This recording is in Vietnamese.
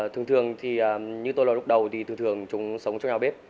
thường thường thì như tôi là lúc đầu thì thường thường chúng sống trong nhà bếp